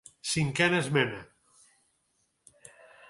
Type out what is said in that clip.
Cinquena esmena.